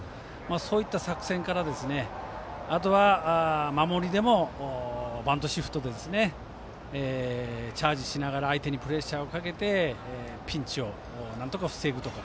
そういった作戦からあとは、守りでもバントシフトでチャージしながら相手にプレッシャーをかけてピンチをなんとか防ぐとか。